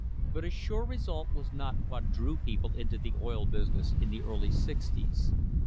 But a sure result was not what drew people into the oil business in the early sixties.